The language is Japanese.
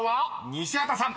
西畑さん］